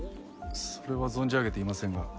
それは存じ上げていませんが。